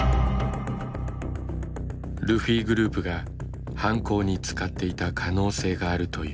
ルフィグループが犯行に使っていた可能性があるというこのリスト。